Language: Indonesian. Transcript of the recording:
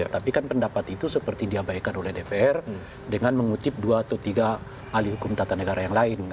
tapi kan pendapat itu seperti diabaikan oleh dpr dengan mengutip dua atau tiga ahli hukum tata negara yang lain